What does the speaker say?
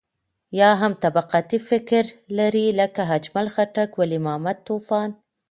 يا هم طبقاتي فکر لري لکه اجمل خټک، ولي محمد طوفان.